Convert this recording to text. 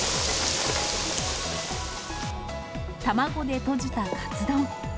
卵でとじたカツ丼。